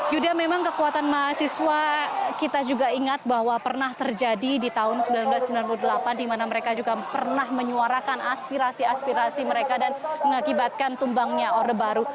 yuda memang kekuatan mahasiswa kita juga ingat bahwa pernah terjadi di tahun seribu sembilan ratus sembilan puluh delapan di mana mereka juga pernah menyuarakan aspirasi aspirasi mereka dan mengakibatkan tumbangnya orde baru